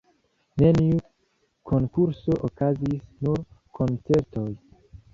Neniu konkurso okazis, nur koncertoj.